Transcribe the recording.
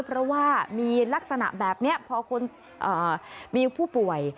เพราะว่ามีลักษณะแบบนี้พอคนมีผู้ป่วย